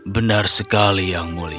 benar sekali yang mulia